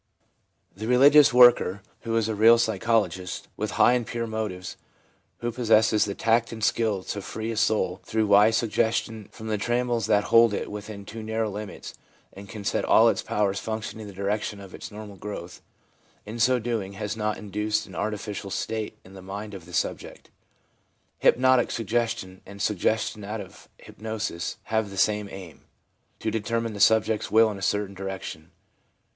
THE ABNORMAL ASPECT OF CONVERSION 173 religious worker, who is a real psychologist, with high and pure motives, who possesses the tact and skill to free a soul through wise suggestion from the trammels that hold it within too narrow limits, and can set all its powers functioning in the direction of its normal growth, in so doing has not induced an artificial state in the mind of the subject. ' Hypnotic suggestion, and suggestion out of hypnosis, have the same aim : to determine the subject's will in a certain direction.